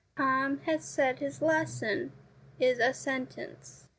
1 Tom has said his lesson ' is a sentence.